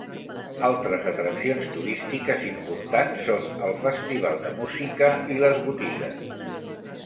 Altres atraccions turístiques importants són els festivals de música i les botigues.